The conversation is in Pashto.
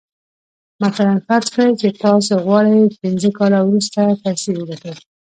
مثلاً فرض کړئ چې تاسې غواړئ پينځه کاله وروسته پيسې وګټئ.